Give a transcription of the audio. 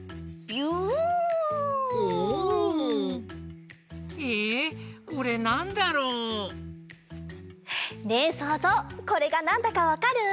おお！えこれなんだろう？ねえそうぞうこれがなんだかわかる？